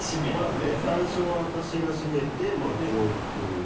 まずね最初は私が閉めて松尾君が。